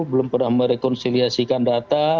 belum pernah merekonsiliasikan data